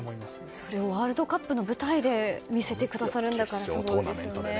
それをワールドカップの舞台で見せてくださるんですからすごいですよね。